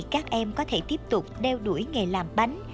các em có thể tiếp tục đeo đuổi nghề làm bánh